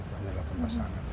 hanya delapan belas anak